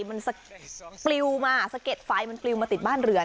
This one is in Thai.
มันสะปลิวมาสะเก็ดไฟมันปลิวมาติดบ้านเรือน